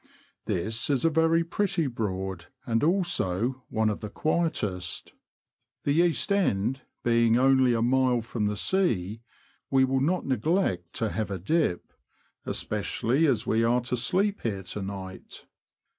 This is a very pretty Broad, and also one of the quietest. The east end being only a THURNE MOUTH TO HICKLING, ETC. 199 mile from the sea, we will not neglect to have a dip, especially as we are to sleep here to night.